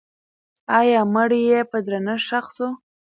آیا مړی یې په درنښت ښخ سو؟